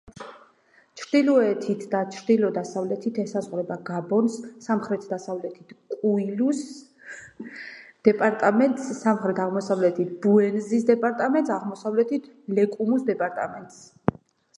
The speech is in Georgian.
ჩრდილოეთით და ჩრდილო-დასავლეთით ესაზღვრება გაბონს, სამხრეთ-დასავლეთით კუილუს დეპარტამენტს, სამხრეთ-აღმოსავლეთით ბუენზის დეპარტამენტს, აღმოსავლეთით ლეკუმუს დეპარტამენტს.